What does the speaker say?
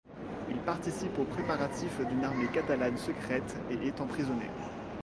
Il participe aux préparatifs d'une armée catalane secrète et est emprisonné.